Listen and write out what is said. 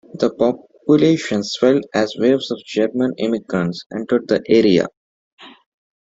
The population swelled as waves of German immigrants entered the area.